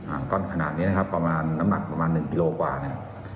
อ่างก้อนขนาดนี้นะครับประมาณน้ำหนักประมาณหนึ่งกิโลกว่าเนี่ย